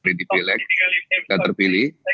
pilih di pileg dan terpilih